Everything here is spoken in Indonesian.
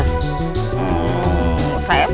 saya belum pernah kerumahnya